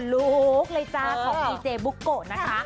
ลูกของดีเจบุ๊คโกนะคะ